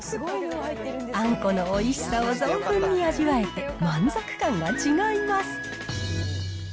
あんこのおいしさを存分に味わえて、満足感が違います。